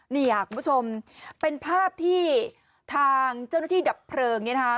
นี่ค่ะคุณผู้ชมเป็นภาพที่ทางเจ้าหน้าที่ดับเพลิงเนี่ยนะคะ